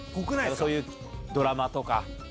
そういうドラマとか。